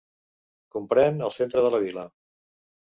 Comprèn el centre de la vila.